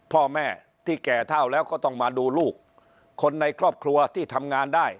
พ่อแม่ที่แก่เท่าแล้วก็ต้องมาดูลูกคนในครอบครัวที่ทำงานได้